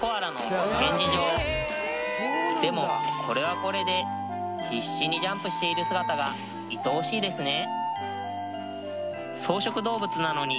ほらでもこれはこれで必死にジャンプしている姿が愛おしいですね